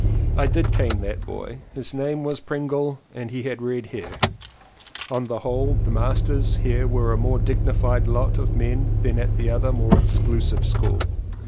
I did cane that boy. His name was Pringle and he had red hair. 200 LLEWELLYN POWYS On the whole the masters here were a more dignified lot of men than at the other more exclusive school.